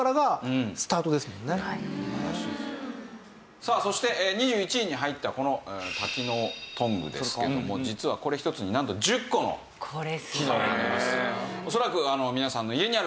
さあそして２１位に入ったこの多機能トングですけども実はこれ一つになんと１０個の機能があります。